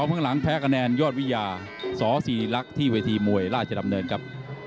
ทั้งแพ้คะแนนยอดวิญญาสศิริรักษ์ที่เวทีมวยราชดำเนินครับ